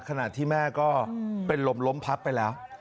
ขณะที่แม่ก็เป็นลมล้มพับไปแล้ว